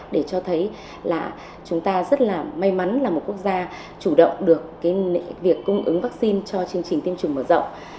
để cho thấy là chúng ta rất là may mắn là một quốc gia chủ động được việc cung ứng vaccine cho chương trình tiêm chủng mở rộng